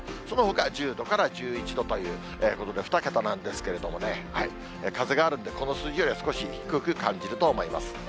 そのほか１０度から１１度ということで、２桁なんですけれども、風があるんで、この数字よりは少し低く感じると思います。